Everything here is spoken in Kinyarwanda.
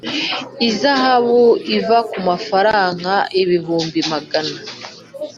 ihazabu iva ku mafaranga ibihumbi magana